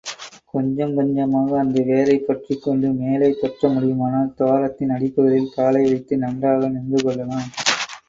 கொஞ்சங்கொஞ்சமாக அந்த வேரைப் பற்றிக்கொண்டு மேலே தொற்ற முடியுமானால் துவாரத்தின் அடிப்பகுதியில் காலை வைத்து நன்றாக நின்றுகொள்ளலாம்.